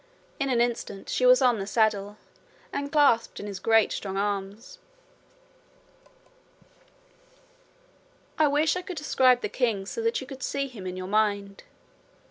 In an instant she was on the saddle and clasped in his great strong arms. I wish I could describe the king so that you could see him in your mind.